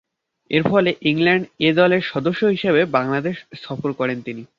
এরফলে England A দলের সদস্য হিসেবে বাংলাদেশ সফর করেন তিনি।